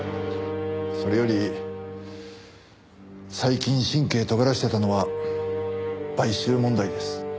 それより最近神経とがらせてたのは買収問題です。